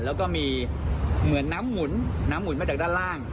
แล้วก็มีเหมือนน้ำหมุนมาจากด้านล่าง